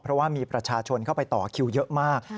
เพราะว่ามีประชาชนเข้าไปต่อคิวเยอะมาก